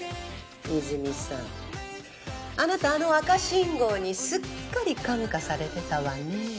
いづみさんあなたあの赤信号にすっかり感化されてたわね。